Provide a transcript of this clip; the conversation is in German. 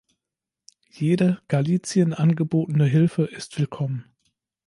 Jede Galicien angebotene Hilfe ist willkommen.